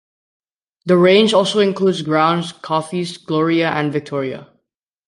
The range also includes ground coffees Gloria and Victoria.